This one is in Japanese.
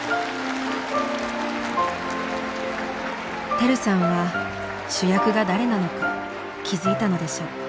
輝さんは主役が誰なのか気付いたのでしょう。